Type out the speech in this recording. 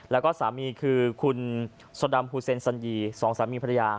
แล้วก็สามีคือคุณสดำฮูเซนสัญญีสองสามีภรรยา